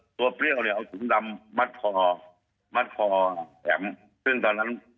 เปรี้ยวเนี่ยเอาถุงดำมัดคอมัดคอแอ๋มซึ่งตอนนั้น